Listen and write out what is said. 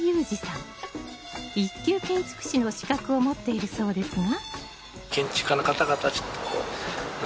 一級建築士の資格を持っているそうですが